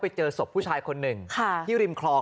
ไปเจอศพผู้ชายคนหนึ่งที่ริมคลอง